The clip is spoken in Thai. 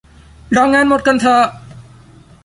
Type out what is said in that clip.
รองานหมดก่อนเถอะ